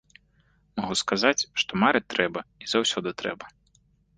Магу сказаць, што марыць трэба, і заўсёды трэба.